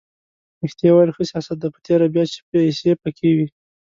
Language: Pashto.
ریښتیا ویل ښه سیاست دی په تېره بیا چې پیسې پکې وي.